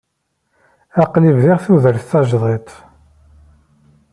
Aql-i bdiɣ tudert tajdidt.